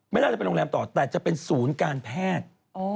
น่าจะเป็นโรงแรมต่อแต่จะเป็นศูนย์การแพทย์